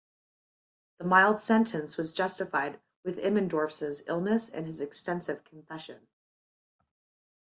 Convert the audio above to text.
The mild sentence was justified with Immendorff's illness and his extensive confession.